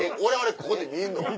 ここで見るの？